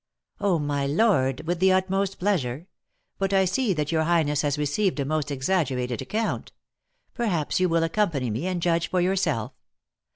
'" "Oh, my lord, with the utmost pleasure. But I see that your highness had received a most exaggerated account. Perhaps you will accompany me, and judge for yourself.